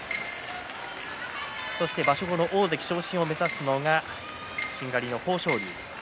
場所後の大関昇進を目指すのがしんがりの豊昇龍。